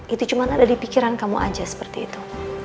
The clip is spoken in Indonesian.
itu cuma ada di pikiran kamu aja seperti itu